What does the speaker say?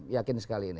yakin sekali ini